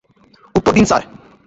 উত্তর দিন স্যার।